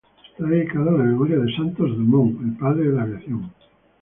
Está dedicado a la memoria de Santos Dumont, el padre de la aviación.